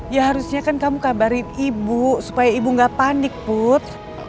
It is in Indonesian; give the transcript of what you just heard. ya harusnya kan kamu kabarin ibu supaya ibu nggak panik put